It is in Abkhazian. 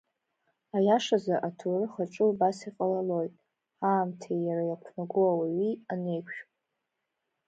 Аиашазы, аҭоурых аҿы убас иҟалалоит, аамҭеи иара иақәнаго ауаҩи анеиқәшәо.